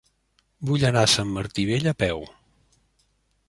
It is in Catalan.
Vull anar a Sant Martí Vell a peu.